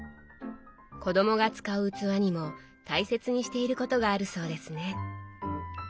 子どもが使う器にも大切にしていることがあるそうですね？